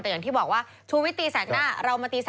แต่อย่างที่บอกว่าชวิตตีแสกหน้า